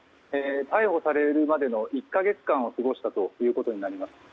逮捕されるまでの１か月間を過ごしたということになります。